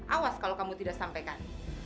awas kalau kamu tidak sampaikan